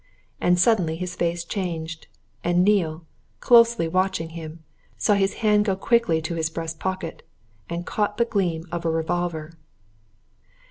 And suddenly his face changed, and Neale, closely watching him, saw his hand go quickly to his breast pocket, and caught the gleam of a revolver....